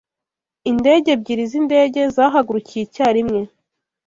Indege ebyiri zindege zahagurukiye icyarimwe